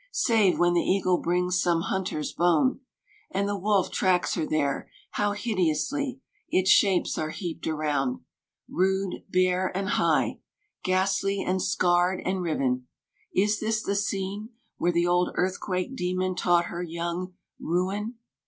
Save when the eagle brings some hunter's bone, And the wolf tracts her there — how hideously Its shapes are heaped around ! rude, bare, and high, Ghastly, and scarred, and riven. — Is this the scene Where the old Earthquake daemon taught her young Ruin